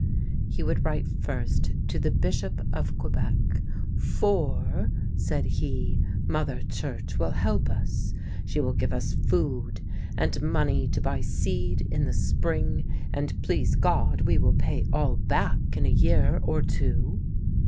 He v/ould write first to the Bishop 234 THE LANE THAT HAD NO TURNING of Quebec ;" for," said he, " Mother Church will help us ; she will give us food, and money to buy seed in the spring; and, please God, we will pay all back in a year or two